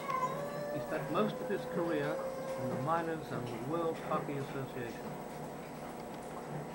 He spent most of his career in the minors and World Hockey Association.